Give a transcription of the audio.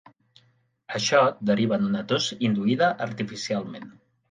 Això deriva en una tos induïda artificialment.